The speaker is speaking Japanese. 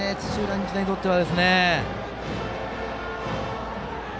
日大にとっては。